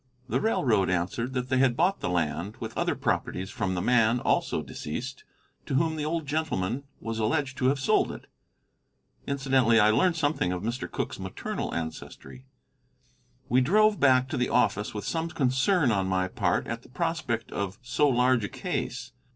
The railroad answered that they had bought the land with other properties from the man, also deceased, to whom the old gentleman was alleged to have sold it. Incidentally I learned something of Mr. Cooke's maternal ancestry. We drove back to the office with some concern on my part at the prospect of so large a case.